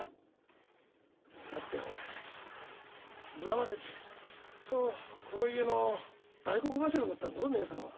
だってお前今までずっとこの家の大黒柱だったんだぞ義姉さんは。